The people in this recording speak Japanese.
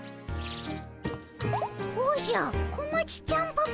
おじゃ小町ちゃんパパ